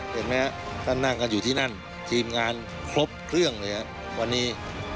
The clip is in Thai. เห็นไหมฮะท่านนั่งกันอยู่ที่นั่นทีมงานครบเครื่องเลยวันนี้